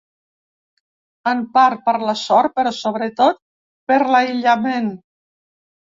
En part, per la sort, però sobretot, per l’aïllament.